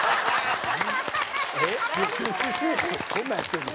そんなんやってるの？